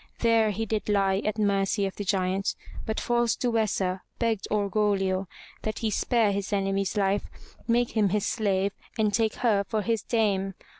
There he did lie at mercy of the giant, but false Duessa begged Orgoglio that he spare his enemy's life, make him his slave, and take her for his dame.